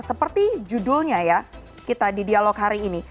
seperti judulnya ya kita di dialog hari ini